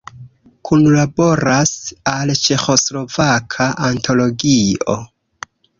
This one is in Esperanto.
Kunlaboras al Ĉeĥoslovaka antologio.